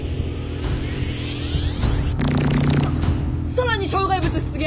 更に障害物出現！